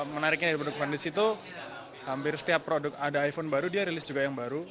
menariknya dari produksi di situ hampir setiap produk ada iphone baru dia rilis juga yang baru